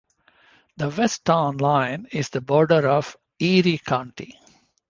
The west town line is the border of Erie County.